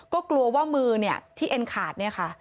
ก็กลัวว่ามือเนี่ยที่เอ็นขาดเนี่ยค่ะ